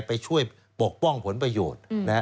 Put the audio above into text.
ไปช่วยปกป้องผลประโยชน์